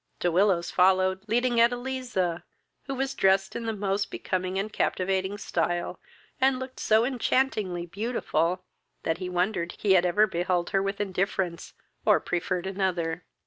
De Willows followed, leading Edeliza, who was drest in the most becoming and captivating stile, and looked so enchantingly beautiful, that he wondered he had ever beheld her with indifference, or preferred another.